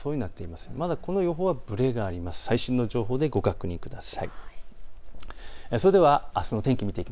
まだこの予報はぶれがあるので最新の情報でご確認ください。